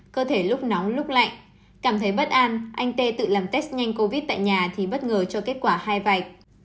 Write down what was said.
cơ thể lúc nóng lúc lạnh cảm thấy bất an anh tê tự làm test nhanh covid tại nhà thì bất ngờ cho kết quả hai